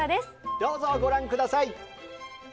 どうぞご覧ください。